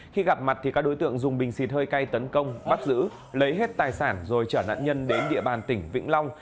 khi gặp mặt thì các đối tượng dùng bình xịt hơi cay tấn công bắt giữ lấy hết tài sản rồi trở nạn nhân đến địa bàn tỉnh vĩnh long